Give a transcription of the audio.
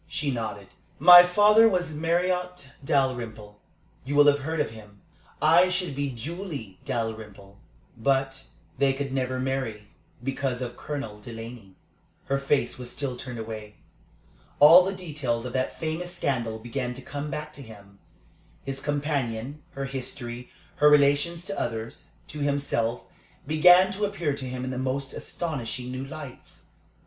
She nodded. "My father was Marriott Dalrymple. You will have heard of him. I should be Julie Dalrymple, but they could never marry because of Colonel Delaney." Her face was still turned away. All the details of that famous scandal began to come back to him. His companion, her history, her relations to others, to himself, began to appear to him in the most astonishing new lights.